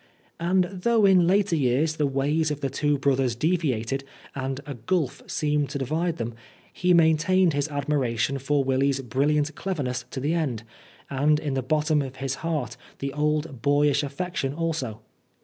And though in later years the ways of the two brothers deviated, and a gulf seemed to divide them, he maintained his admiration for Willy's brilliant cleverness to the end, and in the bottom of his heart the old boyish affection also.